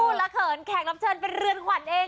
ละเขินแขกรับเชิญเป็นเรือนขวัญเอง